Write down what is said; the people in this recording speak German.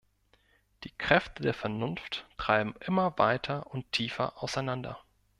Die Kräfte der Vernunft treiben immer weiter und tiefer auseinander.